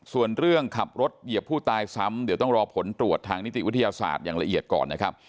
ส่วนเรื่องขับรถเหยียบผู้ตายซ้ำเดี๋ยวต้องรอผลตรวจทางนิติวิทยาศาสตร์อย่างละเอียดก่อนนะครับ